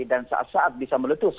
saat saat bisa meletus